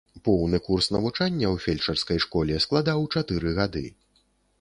Поўны курс навучання ў фельчарскай школе складаў чатыры гады.